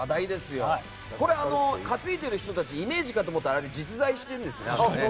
担いでる人たちイメージかと思ったら実在しているんですね。